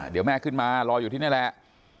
เดี๋ยวแม่ขึ้นมารออยู่ที่นี่แหละ